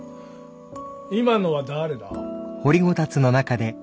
今のは誰だ？